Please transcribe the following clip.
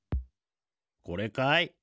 これかい？